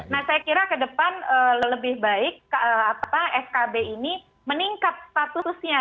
nah saya kira ke depan lebih baik skb ini meningkat statusnya